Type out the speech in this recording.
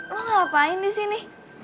lu ngapain disini